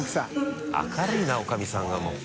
明るいな女将さんがもう。